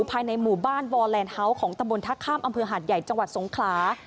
ภายในหมู่บ้านวอแลนดเฮาส์ของตำบลท่าข้ามอำเภอหาดใหญ่จังหวัดสงขลา